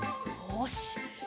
よし。